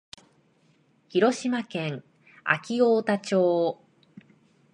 広島県安芸太田町